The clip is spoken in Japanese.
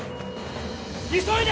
急いで！